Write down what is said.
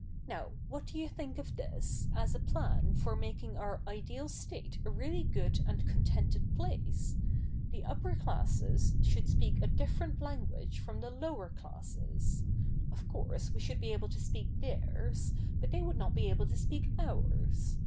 Now, what do you think of this, as a plan for making our ideal state a really good and contented place ?— the upper classes should speak a different language from the lower classes. Of course we should be able to speak theirs, but they would not be able to speak ours.